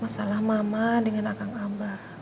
masalah mama dengan kang abah